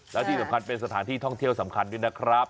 แล้วที่สำคัญเป็นสถานที่ท่องเที่ยวสำคัญด้วยนะครับ